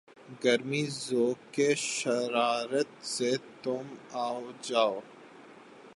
گرمیِ ذوقِ شرارت سے تُم آؤ جاؤ